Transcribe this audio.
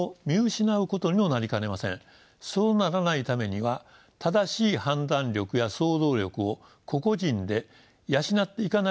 そうならないためには正しい判断力や想像力を個々人で養っていかなければなりません。